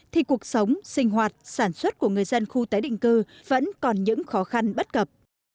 thì cuộc sống sinh hoạt sản xuất của người dân khu tái định cư vẫn còn những khó khăn bất cập